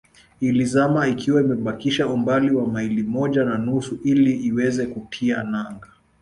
Ilizama ikiwa imebakisha umbali wa maili moja na nusu ili iweze kutia nanga